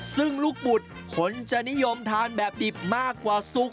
ซึ่งลูกบุตรคนจะนิยมทานแบบดิบมากกว่าซุป